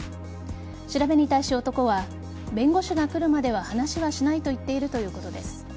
調べに対し、男は弁護士が来るまでは話をしないと言っているということです。